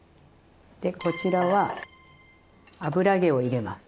でこちらは油揚げを入れます。